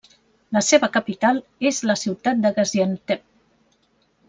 La seva capital és la ciutat de Gaziantep.